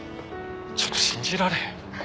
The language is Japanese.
ちょっと信じられへん。